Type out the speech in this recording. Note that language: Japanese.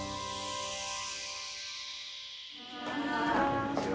こんにちは。